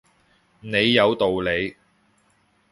你有道理